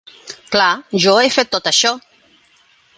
Clar, jo he fet tot això.